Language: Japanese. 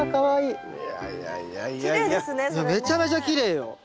いやめちゃめちゃきれいよ。